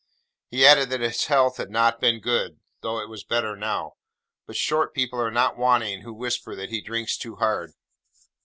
He added that his health had not been good, though it was better now; but short people are not wanting who whisper that he drinks too hard.